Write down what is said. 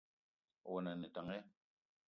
Owono a ne tank ya ?